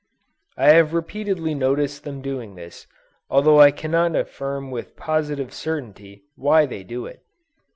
I have repeatedly noticed them doing this, although I cannot affirm with positive certainty, why they do it.